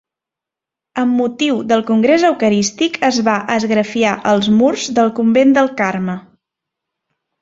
Amb motiu del congrés eucarístic es va esgrafiar els murs del convent del Carme.